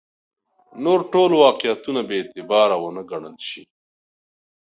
نور ټول واقعیتونه بې اعتباره ونه ګڼل شي.